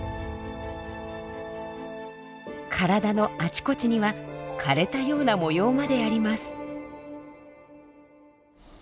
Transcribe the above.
体のあちこちには枯れたような模様まであります。